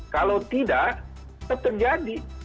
kalau tidak itu terjadi